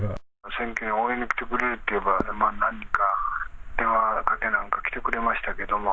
選挙に応援に来てくれって言えば、何人か電話かけなんか来てくれましたけども。